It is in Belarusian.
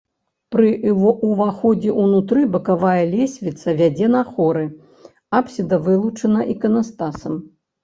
Пры ўваходзе ўнутры бакавая лесвіца вядзе на хоры, апсіда вылучана іканастасам.